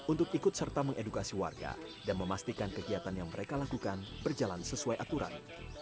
untuk ikut serta mengedukasi warga dan memastikan kegiatan yang mereka lakukan berjalan sesuai aturan